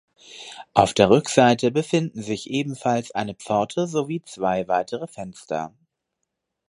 Auf der Rückseite befinden sich ebenfalls eine Pforte sowie zwei weitere Fenster.